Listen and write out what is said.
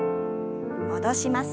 戻します。